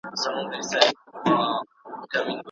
که له نورو مصارفو څخه سپما نسي کولای.